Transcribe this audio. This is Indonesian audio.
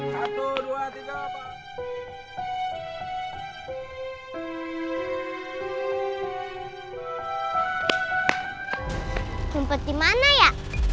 kumpet dimana ya